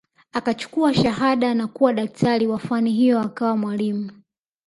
Akachukua shahada na kuwa daktari wa fani hiyo akawa mwalimu